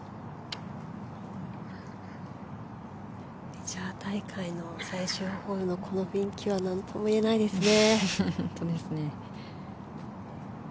メジャー大会の最終ホールのこの雰囲気は本当ですね。